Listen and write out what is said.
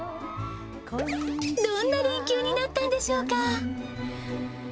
どんな連休になったんでしょうか。